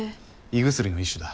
胃薬の一種だ。